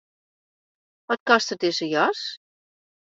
Wat kostet dizze jas?